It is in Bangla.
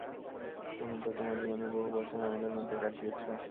তুমি তো তোমার জীবনের বহু বছর আমাদের মধ্যে কাটিয়েছ।